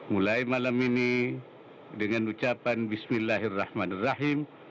mulai malam ini dengan ucapan bismillahirrahmanirrahim